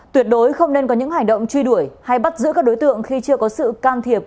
tuyệt đối không nên có những hành động truy đuổi hay bắt giữ các đối tượng khi chưa có sự can thiệp